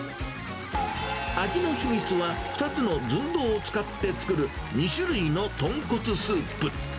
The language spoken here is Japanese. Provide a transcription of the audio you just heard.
味の秘密は２つの寸胴を使って作る２種類の豚骨スープ。